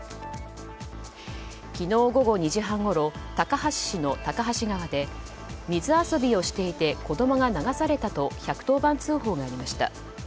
昨日午後２時半ごろ高梁市の高梁川で水遊びをしていて子供が流されたと１１０番通報がありました。